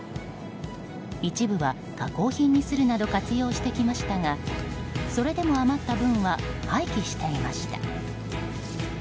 一部は加工品にするなど活用してきましたがそれでも余った分は廃棄していました。